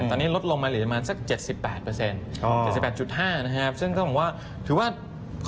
ตอนนี้ลดลงมาขึ้นอีก๒๘เปรียบ๗๘๕นะครับ